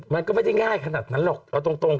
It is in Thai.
มันก็ไม่ได้ง่ายขนาดนั้นหรอกเอาตรง